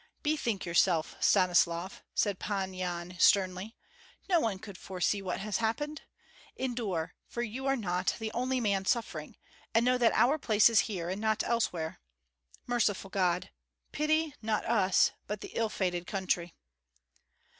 "Bethink yourself, Stanislav," said Pan Yan, sternly. "No one could foresee what has happened. Endure, for you are not the only man suffering; and know that our place is here, and not elsewhere. Merciful God! pity, not us, but the ill fated country."